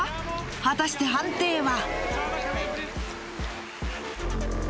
果たして判定は？